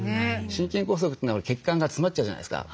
心筋梗塞というのは血管が詰まっちゃうじゃないですか。